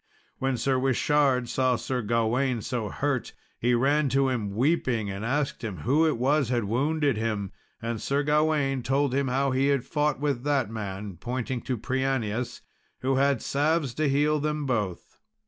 When Sir Whishard saw Sir Gawain so hurt, he ran to him weeping, and asked him who it was had wounded him; and Sir Gawain told him how he had fought with that man pointing to Prianius who had salves to heal them both.